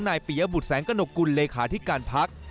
ปียบุตรแสงกระหนกกุลเลขาธิการพัก